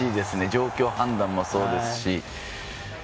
状況判断もそうですし。